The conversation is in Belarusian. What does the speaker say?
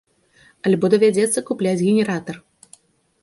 Альбо давядзецца купляць генератар.